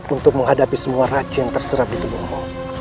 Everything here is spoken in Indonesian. untuk menghadapi semua racu yang terserap di tubuhmu